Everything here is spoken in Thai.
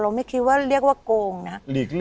ไม่คิดว่าเรียกว่าโกงนะ